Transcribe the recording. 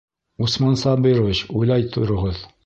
Усман Сабирович, уйлай тороғоҙ.